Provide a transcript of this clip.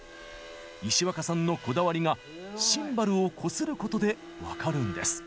石若さんのこだわりがシンバルをこすることで分かるんです。